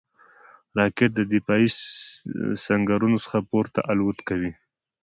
راکټ د دفاعي سنګرونو څخه پورته الوت کوي